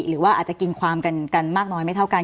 หรือว่าอาจจะกินความกันมากน้อยไม่เท่ากัน